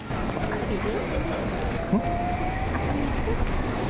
遊びに行く？